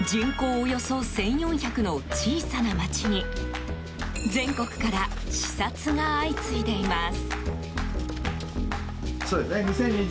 およそ１４００の小さな町に全国から視察が相次いでいます。